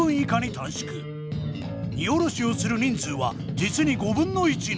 荷おろしをする人数は実に５分の１に！